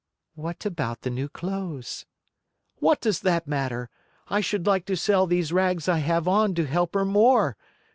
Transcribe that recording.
"What about the new clothes?" "What does that matter? I should like to sell these rags I have on to help her more.